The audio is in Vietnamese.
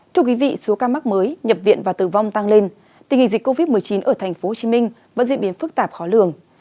thưa quý vị số ca mắc mới nhập viện và tử vong tăng lên tình hình dịch covid một mươi chín ở tp hcm vẫn diễn biến phức tạp khó lường